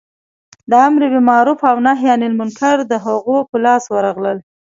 د امر بالمعروف او نهې عن المنکر د هغو په لاس ورغلل.